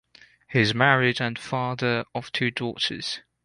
He is married and father of two daughters.